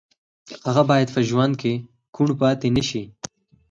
هغه باید په ژوند کې کوڼ پاتې نه شي